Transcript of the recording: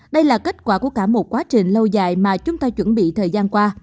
đây là kết quả của cả một quá trình lâu dài mà chúng ta chuẩn bị thời gian qua